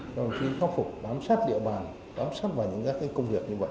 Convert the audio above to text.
các đồng chí khắc phục bám sát địa bàn bám sát vào những các công việc như vậy